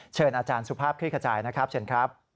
เชิญอาจารย์สุภาพคลิกขจายนะครับเชิญครับ